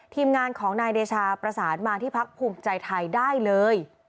ทีมงานของนายเดชาประสานมาที่พักภูมิใจไทยได้เลย